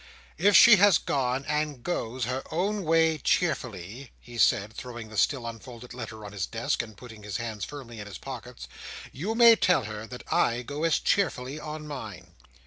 "If she has gone, and goes, her own way cheerfully," he said, throwing the still unfolded letter on his desk, and putting his hands firmly in his pockets, "you may tell her that I go as cheerfully on mine.